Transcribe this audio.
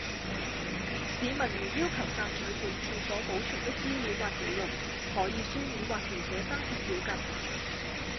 市民如要求索取本署所保存的資料或紀錄，可以書面或填寫申請表格提出